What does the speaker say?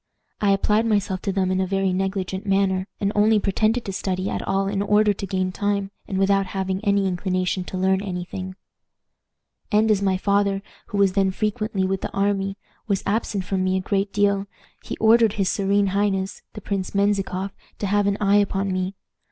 I applied myself to them in a very negligent manner, and only pretended to study at all in order to gain time, and without having any inclination to learn any thing. "And as my father, who was then frequently with the army, was absent from me a great deal, he ordered his serene highness, the Prince Menzikoff, to have an eye upon me.